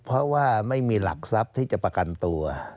เพราะว่าไม่มีหลักทรัพย์ที่จะประกันตัว